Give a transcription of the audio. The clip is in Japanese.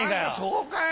そうかい。